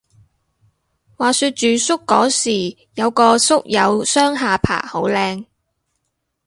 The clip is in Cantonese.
話說住宿嗰時有個宿友雙下巴好靚